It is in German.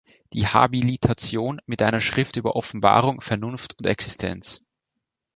Die Habilitation mit einer Schrift über "Offenbarung, Vernunft und Existenz.